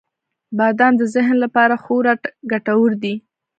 • بادام د ذهن لپاره خورا ګټور دی.